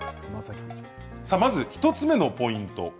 まず１つ目のポイント。